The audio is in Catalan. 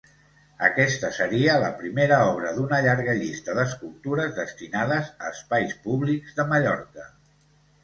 Aquesta seria la primera obra d’una llarga llista d’escultures destinades a espais públics de Mallorca.